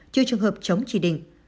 chưa trường hợp chống chỉ định